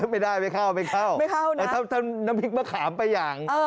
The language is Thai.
ไม่ได้ไม่เข้าไม่เข้าไม่เข้านะถ้าน้ำพริกมะขามไปอย่าง